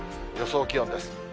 予想気温です。